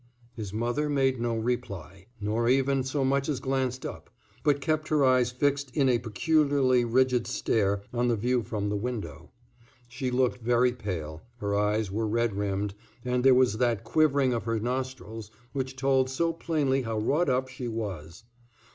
His mother made no reply, nor even so much as glanced up, but kept her eyes fixed in a peculiarly rigid stare on the view from the window. She looked very pale, her eyes were red rimmed, and there was that quivering of her nostrils which told so plainly how wrought up she was.